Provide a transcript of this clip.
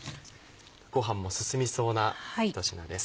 ご飯も進みそうな一品です。